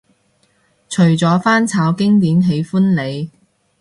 除咗翻炒經典喜歡你